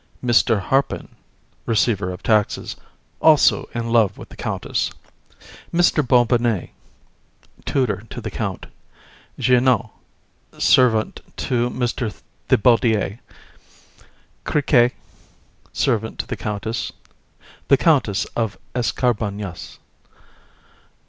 MR. HARPIN, receiver of taxes, also in love with the COUNTESS. MR. BOBINET, tutor to the COUNT. JEANNOT, servant to MR. THIBAUDIER. CRIQUET, servant to the COUNTESS. THE COUNTESS OF ESCARBAGNAS.